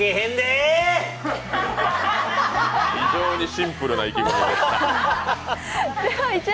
非常にシンプルな意気込みでした。